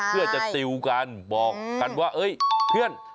เพื่อจะติวกันบอกกันว่าเอ้ยเพื่อน